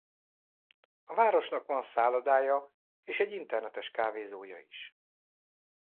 A városnak van szállodája és egy internetes kávézója is.